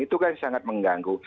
itu kan sangat mengganggu